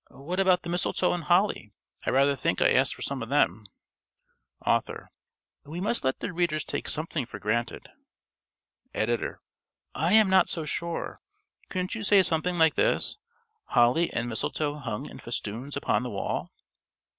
What about the mistletoe and holly? I rather think I asked for some of them._ ~Author.~ We must let the readers take something for granted. ~Editor.~ _I am not so sure. Couldn't you say something like this: "Holly and mistletoe hung in festoons upon the wall?"